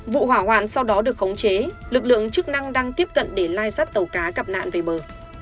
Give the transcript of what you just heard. vụ hỏa hoạn sau đó được khống chế lực lượng chức năng đang tiếp cận để lai sát tàu cá gặp nạn về bờ